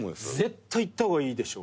絶対行った方がいいでしょ。